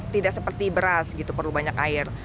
tidak seperti beras gitu perlu banyak air